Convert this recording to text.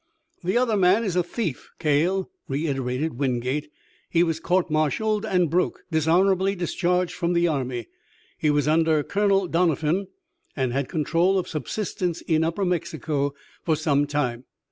"The other man is a thief, Cale," reiterated Wingate. "He was court martialed and broke, dishonorably discharged from the Army. He was under Colonel Doniphan, and had control of subsistence in upper Mexico for some time.